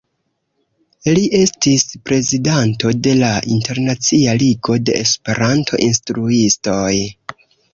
Li estis prezidanto de la Internacia Ligo de Esperanto-Instruistoj.